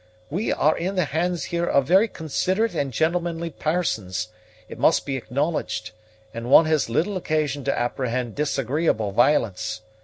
We are in the hands here of very considerate and gentlemanly pairsons, it must be acknowledged, and one has little occasion to apprehend disagreeable violence.